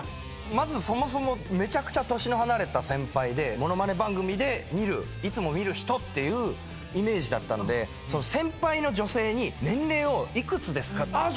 まずそもそもめちゃくちゃ年の離れた先輩でものまね番組で見るいつも見る人っていうイメージだったんで先輩の女性に年齢をいくつですかって聞くのがあ